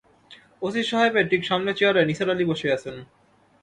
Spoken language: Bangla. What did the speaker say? ওসি সাহেবের ঠিক সামনের চেয়ারে নিসার আলি বসে আছেন।